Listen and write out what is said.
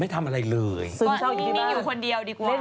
ไม่ทำอะไรเลยซื้อเช่าอีกที่บ้าน